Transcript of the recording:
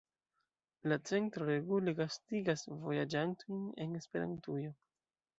La centro regule gastigas vojaĝantojn en Esperantujo.